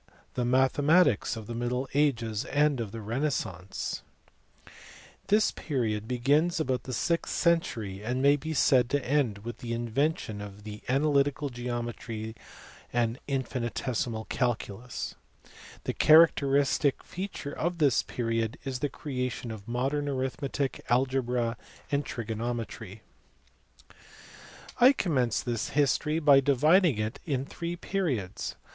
JWatfjemattcs of tfjc JJXtlfole &ges antr of tfte This period begins about the sixth century, and may be said to end with the invention of analytical geometry and of the infinitesimal calcidus. The characteristic feature of this period is the creation of modern arithmetic, algebra, and trigonometry. 133 I commenced this history by dividing it in three periods.